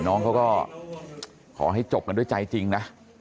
น้องเขาก็ขอให้จบกันด้วยใจจริงนะ